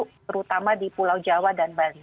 terutama di pulau jawa dan bali